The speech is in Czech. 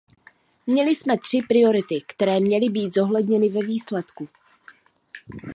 Měli jsme tři priority, které měly být zohledněny ve výsledku.